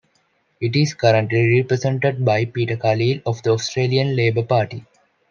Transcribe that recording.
It is currently represented by Peter Khalil of the Australian Labor Party.